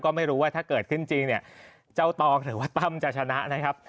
ก็ไม่รู้ว่าถ้าเกิดขึ้นจริงเนี่ยเจ้าตองหรือว่าตั้มจะชนะนะครับ